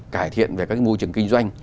cải thiện về các môi trường kinh doanh